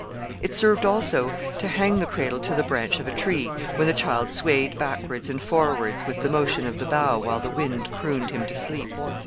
It served also to hang the cradle to the branch of a tree, when the child swayed backwards and forwards with the motion of the bough while the wind crooned him to sleep.